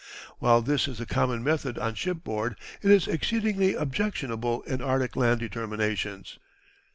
While this is the common method on shipboard it is exceedingly objectionable in Arctic land determinations.